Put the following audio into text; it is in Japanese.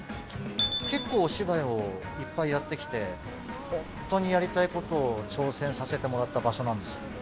結構お芝居をいっぱいやってきてホントにやりたいことを挑戦させてもらった場所なんですよ。